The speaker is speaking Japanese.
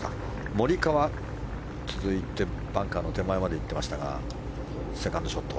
モリカワ、続いてバンカーの手前まで行っていましたがセカンドショット。